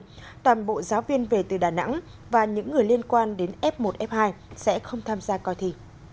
tuy nhiên toàn bộ giáo viên về từ đà nẵng và những người liên quan đến f một f hai sẽ không tham gia coi thi